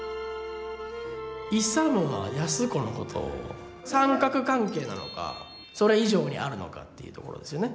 勇は安子のことを三角関係なのかそれ以上にあるのかっていうところですよね。